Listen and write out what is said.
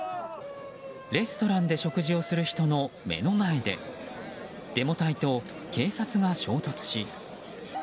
レストランで食事をする人の目の前でデモ隊と警察が衝突し。